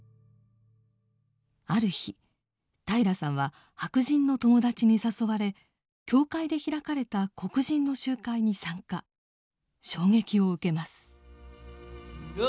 ある日平良さんは白人の友達に誘われ教会で開かれた黒人の集会に参加衝撃を受けます。